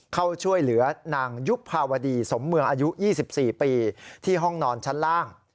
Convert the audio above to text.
เข้าช่วยเหลือนางยุบภาวดีสมเมืองอายุ๒๔ปีที่ห้องนอนชั้นล่าง